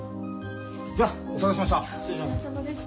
じゃあお騒がせしました。